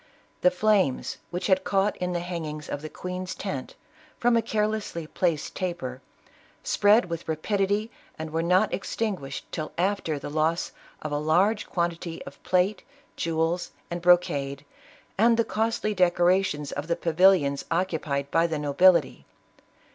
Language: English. The flames, which had caught in the hangings of the queen's tent, from a carelessly placed taper, spread with rapidity, and were not ex tinguished till after the loss of a large quantity of plate, jewels and brocade, and the costly decorations of the pavilions occupied by the nobility.